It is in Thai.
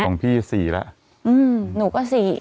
ของพี่๔แล้วหนูก็๔